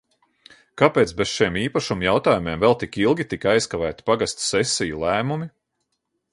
Kāpēc bez šiem īpašuma jautājumiem vēl tik ilgi tika aizkavēti pagastu sesiju lēmumi?